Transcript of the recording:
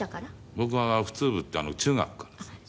僕は普通部って中学からです。